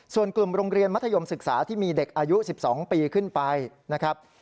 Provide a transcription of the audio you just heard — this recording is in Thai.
ส่วนกลุ่มโรงเรียนมัธยมศึกษาที่มีเด็กอายุ๑๒ปีขึ้นไปนะครับ